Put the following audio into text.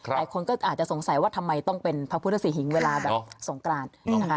หลายคนก็อาจจะสงสัยว่าทำไมต้องเป็นพระพุทธศรีหิงเวลาแบบสงกรานนะคะ